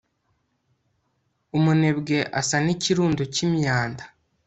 umunebwe asa n'ikirundo cy'imyanda